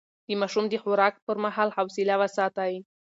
د ماشوم د خوراک پر مهال حوصله وساتئ.